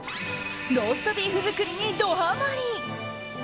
ローストビーフ作りにドハマリ。